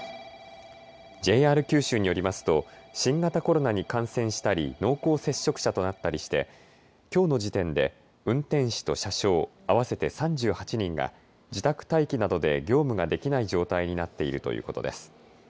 ＪＲ九州によりますと新型コロナに感染したり濃厚接触者となったりしてきょうの時点で運転士と車掌合わせて３８人が自宅待機などで業務ができない状態になっているということです。